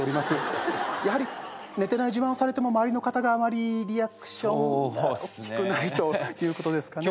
やはり寝てない自慢をされても周りの方があまりリアクションが大きくないということですかね？